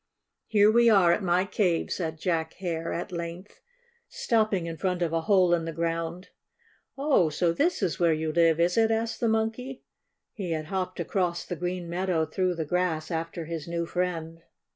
"Here we are at my cave," said Jack Hare at length, stopping in front of a hole in the ground. "Oh, so this is where you live, is it?" asked the Monkey. He had hopped across the green meadow through the grass after his new friend.